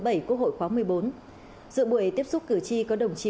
quốc hội khóa một mươi bốn dự buổi tiếp xúc cử tri có đồng chí